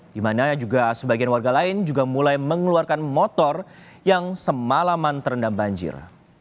di mana juga sebagian warga lain juga mulai mengeluarkan motor yang semalaman terendam banjir